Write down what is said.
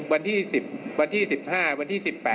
วันที่๑๐วันที่๑๕วันที่๑๘